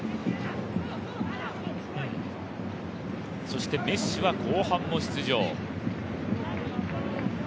そしてメッシは後半も出場。